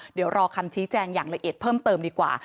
เดี๋ยวรอคำชี้แจงอย่างละเอียดเพิ่มเติมดีกว่า